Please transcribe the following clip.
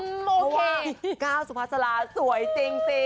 เพราะว่าก้าวสุภาษาลาสวยจริง